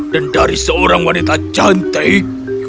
dan dari seorang wanita cantik